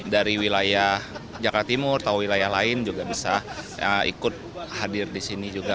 dari wilayah jakarta timur atau wilayah lain juga bisa ikut hadir di sini juga